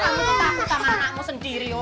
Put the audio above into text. kamu ketahuan sama anakmu sendiri